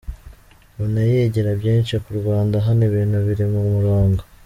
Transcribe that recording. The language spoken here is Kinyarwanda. Mbona yigira byinshi ku Rwanda , hano ibintu biri ku murongo.